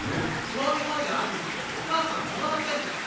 興味本位で会いに行ってお母さん困らせんなよ。